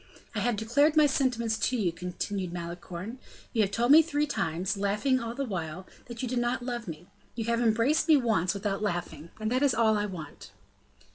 "I have declared my sentiments to you," continued Malicorne. "You have told me three times, laughing all the while, that you did not love me; you have embraced me once without laughing, and that is all I want."